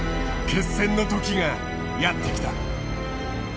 決戦の時がやって来た。